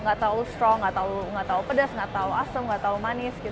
nggak tahu strong nggak tahu pedas nggak tahu asem nggak tahu manis